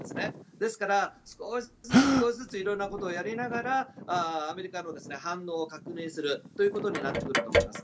ですから、少しずつ色々なことをやりながらアメリカの反応を確認するということになってくると思います。